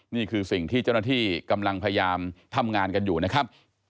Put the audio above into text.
นี่คือสิ่งที่เจ้าหน้าที่กำลังพยายามทำงานกันอยู่นะครับ